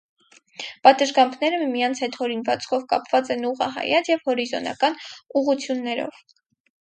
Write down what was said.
Պատշգամբները միմյանց հետ հորինվածքով կապված են ուղղահայաց և հորիզոնական ուղղություններով։